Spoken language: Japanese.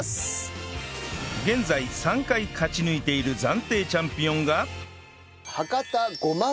現在３回勝ち抜いている暫定チャンピオンが